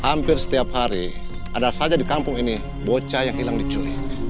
hampir setiap hari ada saja di kampung ini bocah yang hilang diculik